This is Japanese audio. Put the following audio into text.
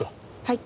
はい。